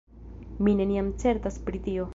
Mi neniam certas pri tio!